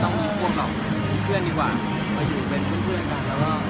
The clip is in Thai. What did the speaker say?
ต้องเป็นเพื่อนกันดีกว่าครับไม่ต้องรู้ปว่าก่อก่อแต่เป็นเพื่อนกัน